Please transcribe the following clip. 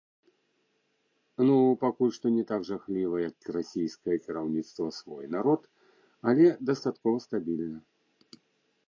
Ну пакуль што не так жахліва, як расійскае кіраўніцтва свой народ, але дастаткова стабільна.